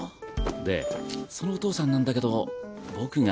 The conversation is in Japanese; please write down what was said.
でそのお父さんなんだけど僕が。